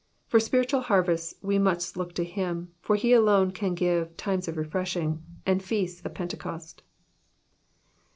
For spiritual harvests we must look to him, for he alone can give times of refreshinj:^* and feasts of Pentecost.